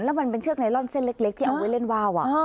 แล้วมันเป็นเชือกไนลอนเส้นเล็กที่เอาไว้เล่นว่าว